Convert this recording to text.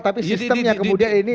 tapi sistemnya kemudian ini